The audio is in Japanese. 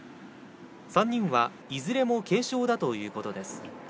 ３人はいずれも軽傷だということです。